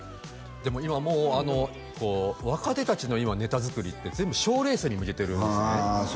でも今もう若手達の今ネタ作りって全部賞レースに向けてるんですねああ